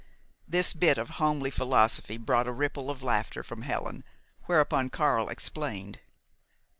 This bit of homely philosophy brought a ripple of laughter from Helen, whereupon Karl explained.